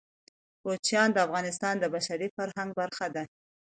کوچیان د افغانستان د بشري فرهنګ برخه ده.